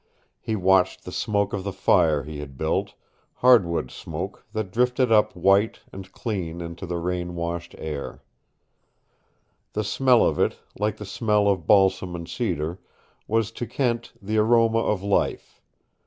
He watched the smoke of the fire he had built, hardwood smoke that drifted up white and clean into the rain washed air. The smell of it, like the smell of balsam and cedar, was to Kent the aroma of life.